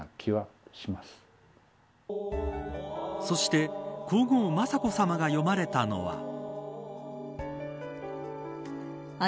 そして皇后、雅子さまが詠まれたのは。